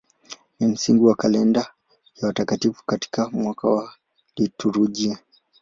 Ni msingi wa kalenda ya watakatifu katika mwaka wa liturujia.